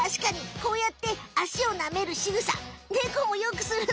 こうやってあしをなめるしぐさネコもよくするね。